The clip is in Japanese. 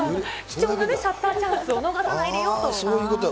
貴重なシャッターチャンスをそういうこと。